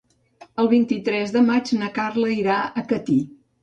El vint-i-tres de maig na Carla irà a Catí.